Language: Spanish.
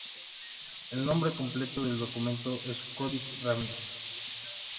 El nombre completo del documento es "Códice Ramírez.